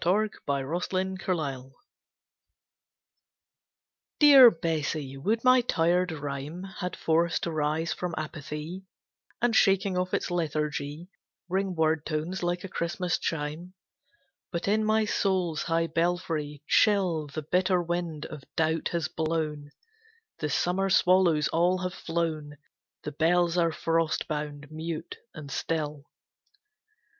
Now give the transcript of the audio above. To Elizabeth Ward Perkins Dear Bessie, would my tired rhyme Had force to rise from apathy, And shaking off its lethargy Ring word tones like a Christmas chime. But in my soul's high belfry, chill The bitter wind of doubt has blown, The summer swallows all have flown, The bells are frost bound, mute and still.